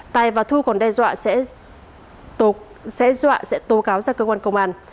tài và thu còn đe dọa sẽ tố cáo ra cơ quan công an